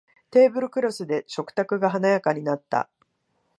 テーブルクロスで食卓が華やかになった